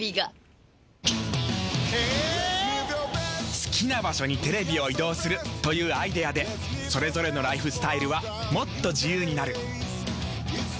好きな場所にテレビを移動するというアイデアでそれぞれのライフスタイルはもっと自由になる。